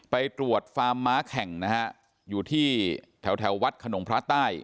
ไปตรวจฟาร์มม้าแข่งนะฮะอยู่ที่แถววัดขนมพระใต้